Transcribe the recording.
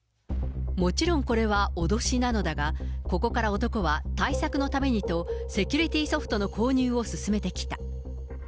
もちろんこれは脅しなのだが、ここから男は対策のためにと、セキュリティーソフトの購入を勧めてきた。